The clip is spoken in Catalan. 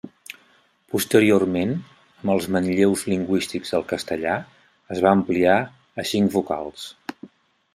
Posteriorment, amb els manlleus lingüístics del castellà, es va ampliar a cinc vocals.